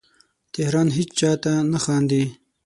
تهران هیچا ته نه خاندې